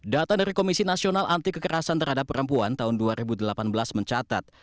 data dari komisi nasional anti kekerasan terhadap perempuan tahun dua ribu delapan belas mencatat